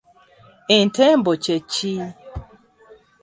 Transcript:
Entembo kye ki?